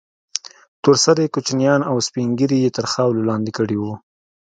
تور سرې كوچنيان او سپين ږيري يې تر خاورو لاندې كړي وو.